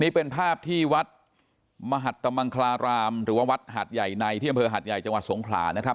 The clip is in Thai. นี่เป็นภาพที่วัดมหัตมังคลารามหรือว่าวัดหัดใหญ่ในที่อำเภอหัดใหญ่จังหวัดสงขลานะครับ